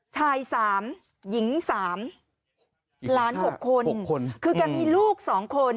ชาย๓หญิง๓หลาน๖คน๖คนคือแกมีลูก๒คน